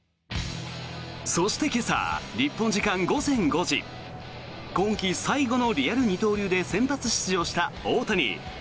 そして今朝、日本時間午前５時今季最後のリアル二刀流で先発出場した大谷。